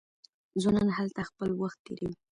ځوانان هلته خپل وخت تیروي.